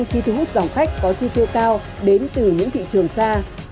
khi thu hút dòng khách có chi tiêu cao đến từ những thị trường xa